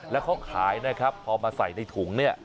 แล้วเขาขายนะครับพอมาใส่ในถุงเนี่ย